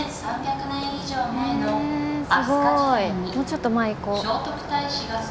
もうちょっと前行こう。